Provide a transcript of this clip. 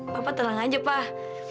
papa tenang aja pak